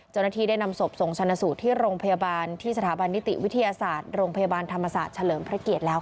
เจ้าหน้าที่ได้นำศพส่งชันสุทธิ์ที่โรงพยาบาลที่สถาบันนิติวิทยาศาสตร์